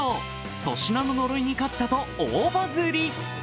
粗品の呪いに勝ったと大バズり。